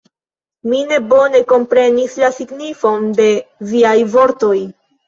Mi ne bone komprenis la signifon de viaj vortoj.